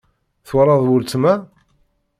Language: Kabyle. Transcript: Twalaḍ weltma?